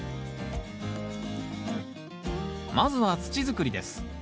まずは土づくりです。